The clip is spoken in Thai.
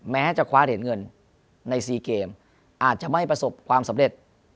แม้จะคว้าเหรียญเงินใน๔เกมอาจจะไม่ประสบความสำเร็จ